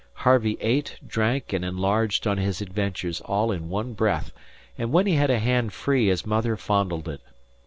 Harvey ate, drank, and enlarged on his adventures all in one breath, and when he had a hand free his mother fondled it.